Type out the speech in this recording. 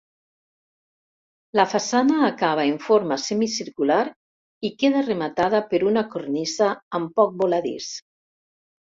La façana acaba en forma semicircular i queda rematada per una cornisa amb poc voladís.